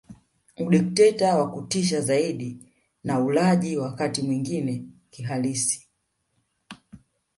Udikteta wa kutisha zaidi na ulaji wakati mwingine kihalisi